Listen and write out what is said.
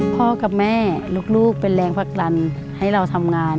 พ่อกับแม่ลูกเป็นแรงผลักดันให้เราทำงาน